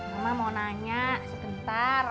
mama mau nanya sebentar